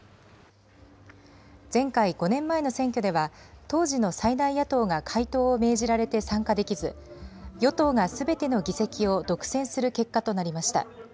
前回、５年前の選挙では、当時の最大野党が解党を命じられて参加できず、与党がすべての議席を独占する結果となりました。